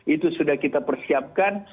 itu sudah kita persiapkan